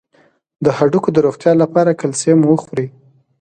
د هډوکو د روغتیا لپاره کلسیم وخورئ